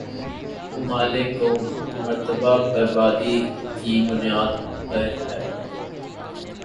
ممالک کو مرتبہ برابری کی بنیاد پر ہے